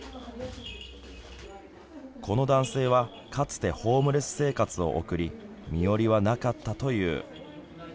この男性はかつてホームレス生活を送り身寄りはなかったという。